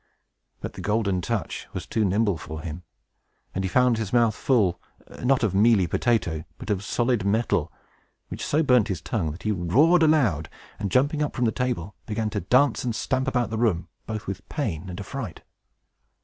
But the Golden Touch was too nimble for him. He found his mouth full, not of mealy potato, but of solid metal, which so burnt his tongue that he roared aloud, and, jumping up from the table, began to dance and stamp about the room, both with pain and affright.